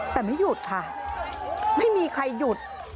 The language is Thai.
แต่ไม่หยุดค่ะไม่มีใครหยุด